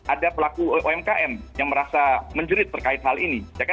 ada pelaku umkm yang merasa menjerit terkait hal ini